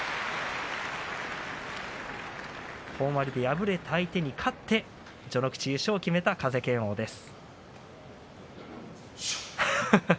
本割で敗れた相手に勝って序ノ口優勝を決めた風賢央です。